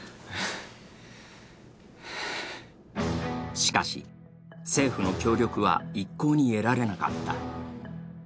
しかし、政府の協力は一向に得られなかった。